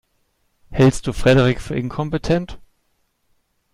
Hältst du Frederik für inkompetent?